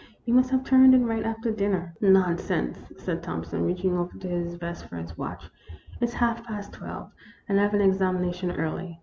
You must have turned in right after dinner." " Nonsense !" said Thompson, reaching over to his vest for his watch. " It 's half past twelve, and I 've an examination early.